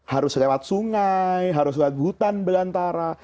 harus lewat sungai harus lewat hutan belantara